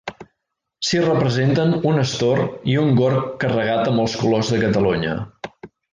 S'hi representen un astor i un gorg carregat amb els colors de Catalunya.